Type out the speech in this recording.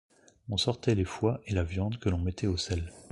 On sortait les foies et la viande que l’on mettait au sel.